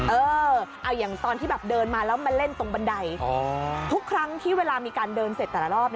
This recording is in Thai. เออเอาอย่างตอนที่แบบเดินมาแล้วมาเล่นตรงบันไดทุกครั้งที่เวลามีการเดินเสร็จแต่ละรอบ